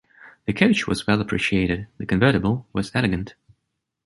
The coach was well appreciated, the convertible was elegant.